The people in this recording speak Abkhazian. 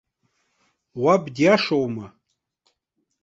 Уаб диашоума?